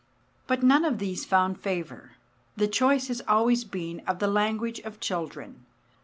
But none of these found favour. The choice has always been of the language of children.